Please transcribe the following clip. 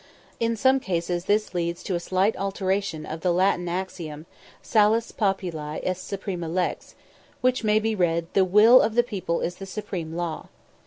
In some cases this leads to a slight alteration of the Latin axiom, Salus populi est suprema lex, which may be read, "the will of the people is the supreme law."